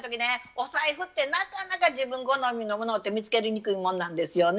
お財布ってなかなか自分好みのものって見つけにくいもんなんですよね。